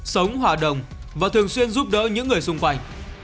sống hòa đồng và thường xuyên giúp đỡ những người xung quanh